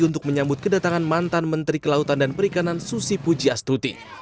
untuk menyambut kedatangan mantan menteri kelautan dan perikanan susi pujiastuti